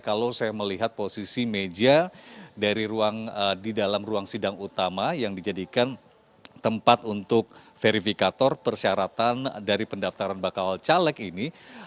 kalau saya melihat posisi meja di dalam ruang sidang utama yang dijadikan tempat untuk verifikator persyaratan dari pendaftaran bakal caleg ini